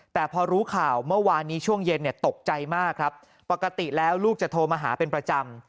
แต่พอรู้ข่าวเมื่อวานนี้ช่วงเย็นเนี่ยตกใจมากครับปกติแล้วลูกจะโทรมาหาเป็นประจำ